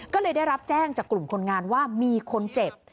ก็เลยได้รับแจ้งจากกลุ่มคนงานว่ามีคนเจ็บ